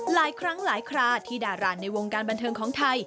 หลายครั้งหลายคราที่ดาราในวงการบันเทิงของไทย